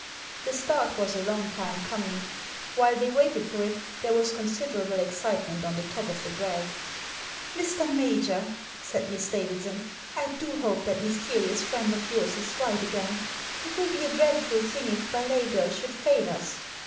The start was a long time coming. While they waited for it there was considerable excitement on the top of the drag. " Mr. Major," said Miss Davidson, " I do hope that mysterious friend of yours is right again. It will be a dreadful thing if Ballet Girl should fail us.